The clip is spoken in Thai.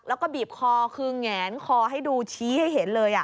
แล้วก็บีบคอคือแงนคอให้ดูชี้ให้เห็นเลย